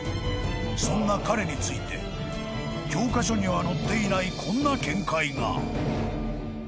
そんな彼について教科書には載っていないこんな見解が］